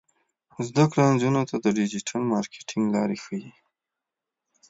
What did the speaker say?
زده کړه نجونو ته د ډیجیټل مارکیټینګ لارې ښيي.